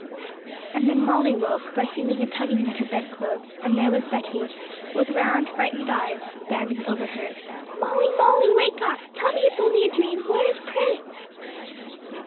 And then Molly woke by feeling a tugging at her bedclothes, and there was Betty, with round frightened eyes, standing over her. 'Molly, Molly, wake up; tell me it is only a dream! Where is Prince?'